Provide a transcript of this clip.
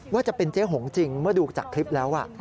ว่าจะเป็นเจ๊หงจริงเมื่อดูจากคลิปแล้ว